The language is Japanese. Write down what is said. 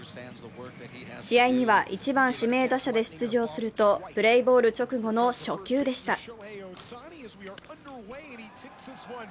試合には１番・指名打者で出場するとプレーボール直後の初球でした。